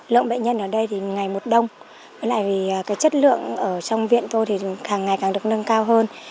lượng bệnh nhân ở đây thì ngày một đông với lại vì cái chất lượng ở trong viện tôi thì ngày càng được nâng cao hơn